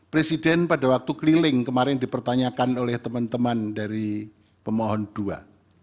presiden pada waktu keliling kemarin dipertanyakan oleh teman teman dari pemohon dua